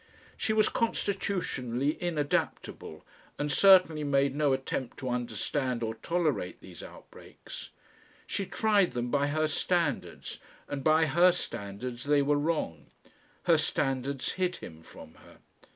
She was constitutionally inadaptable, and certainly made no attempt to understand or tolerate these outbreaks. She tried them by her standards, and by her standards they were wrong. Her standards hid him from her.